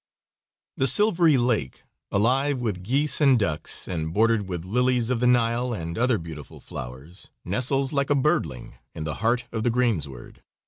The silvery lake, alive with geese and ducks, and bordered with lilies of the Nile and other beautiful flowers, nestles like a birdling in the heart of the greensward.